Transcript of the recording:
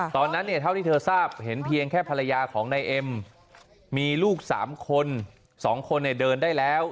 ตอนนั้นเนี่ยเท่าที่เธอทราบเห็นเพียงแค่ภรรยาของนายเอ็มมีลูก๓คน๒คนเดินได้แล้ว